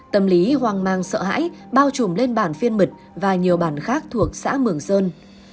tâm lý hoang mang sợ hãi bao trùm lên bản phiên mật và nhiều bản khác thuộc xã mường sơn